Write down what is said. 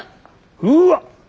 うわっ。